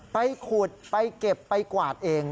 ไปขุดไปเก็บไปกวาดเอง